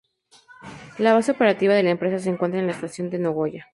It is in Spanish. La base operativa de la empresa se encuentra en la estación de Nagoya.